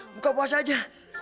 buka puas aja